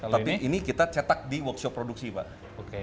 tapi ini kita cetak di workshop produksi pak